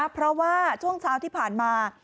เพราะว่าช่วงเช้าที่ผ่านมา